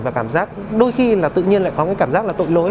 và cảm giác đôi khi là tự nhiên lại có cái cảm giác là tội lỗi